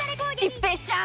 一平ちゃーん！